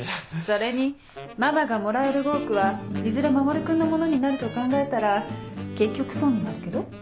それにママがもらえる５億はいずれ守君のものになると考えたら結局損になるけど？